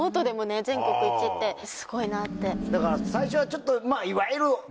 だから最初はちょっといわゆる。